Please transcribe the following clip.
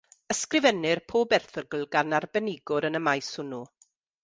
Ysgrifennir pob erthygl gan arbenigwr yn y maes hwnnw.